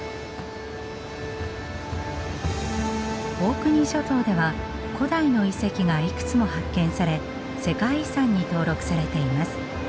オークニー諸島では古代の遺跡がいくつも発見され世界遺産に登録されています。